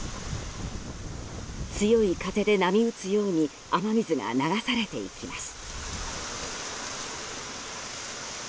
強い風で波打つように雨水が流されていきます。